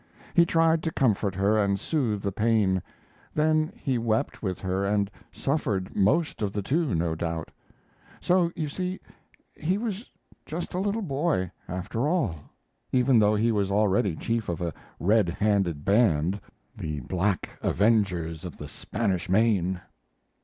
He tried to comfort her and soothe the pain; then he wept with her and suffered most of the two, no doubt. So, you see, he was just a little boy, after all, even though he was already chief of a red handed band, the "Black Avengers of the Spanish Main."